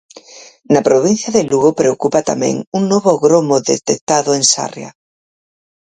Na provincia de Lugo preocupa tamén un novo gromo detectado en Sarria.